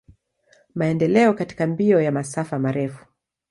Maendeleo katika mbio ya masafa marefu.